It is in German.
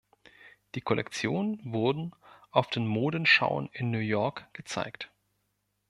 Die Kollektionen wurden auf den Modenschauen in New York gezeigt.